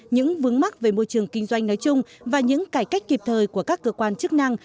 những vướng mắc về môi trường kinh doanh nói chung và những cải cách kịp thời của các cơ quan chức năng